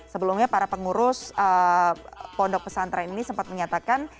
sebelumnya para pengurus pondok pesantren ini sempat menyatakan